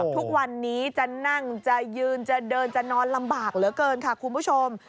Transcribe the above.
ทุกวันนี้จะนั่งจะยืนจะเดินจะนอนลำบากเหลือเกินค่ะคุณผู้ชม